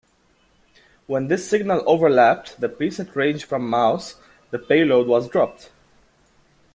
When this signal overlapped the pre-set range from "mouse", the payload was dropped.